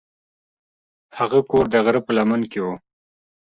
هغه کور د غره په لمن کې و.